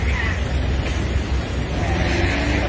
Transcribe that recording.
อ๋อต้องกลับมาก่อน